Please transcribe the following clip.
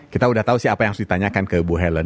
kita udah tahu sih apa yang harus ditanyakan ke bu helen